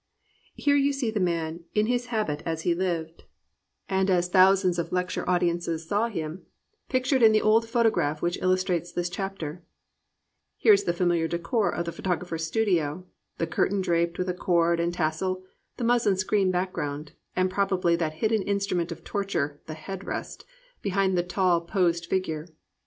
Here you see the man "in his habit as he lived," 340 From a photograph by Black, Boston. RALPH WALDO EMERSON. A PURITAN PLUS POETRY (and as thousands of lecture audiences saw him,) pictured in the old photograph which illustrates this chapter. Here is the familiar decor of the photogra pher's studio: the curtain draped with a cord and tassel, the muslin screen background, and probably that hidden instrument of torture, the "head rest," behind the tall, posed figure.